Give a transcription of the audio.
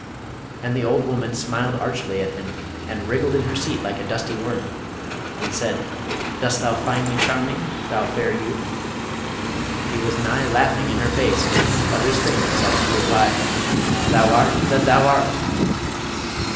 And the old woman smiled archly at him, and wriggled in her seat like a dusty worm, and said, 'Dost thou find me charming, thou fair youth?' He was nigh laughing in her face, but restrained himself to reply, 'Thou art that thou art!'